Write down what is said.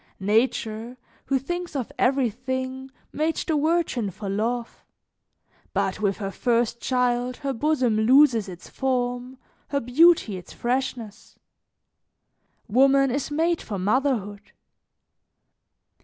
"Nature, who thinks of everything, made the virgin for love; but with her first child her bosom loses its form, her beauty its freshness. Woman is made for motherhood.